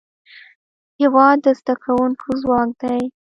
هېواد د زدهکوونکو ځواک دی.